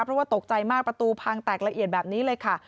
เพราะว่าตกใจมากประตูพังแตกละเอียดแบบนี้เลยค่ะ